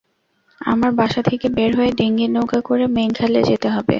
আবার বাসা থেকে বের হয়ে ডিঙি নৌকা করে মেইন খালে যেতে হবে।